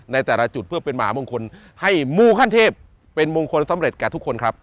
ในแต่ละจุดเพื่อเป็นมหามงคลให้มูขั้นเทพเป็นมงคลสำเร็จแก่ทุกคนครับ